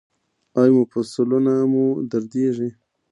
ایا مفصلونه مو دردیږي؟